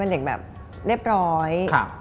เป็นเด็กแบบเรียบร้อย